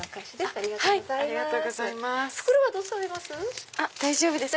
ありがとうございます。